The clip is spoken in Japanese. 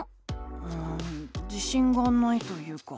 うん自しんがないというか。